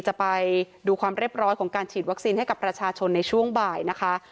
จะไปดูความเรียบร้อยของการฉีดวัคซีนให้กับประชาชนในช่วงบ่ายนะคะ